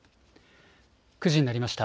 ９時になりました。